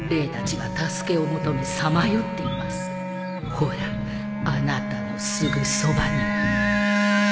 ほらあなたのすぐそばにも。